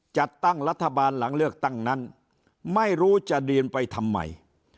จัดตั้งรัฐบาลหลังเลือกตั้งนั้นไม่รู้จะดีนไปทำไม